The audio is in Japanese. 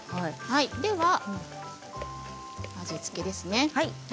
では味付けですね。